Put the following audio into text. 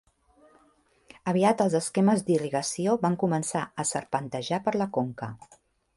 Aviat els esquemes d"irrigació van començar a serpentejar per la conca.